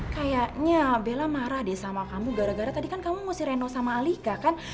kayaknya bella marah deh sama kamu gara gara tadi kan kamu mesti reno sama alika kan